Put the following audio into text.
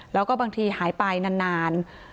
แล้วก็บางทีหายไปนาน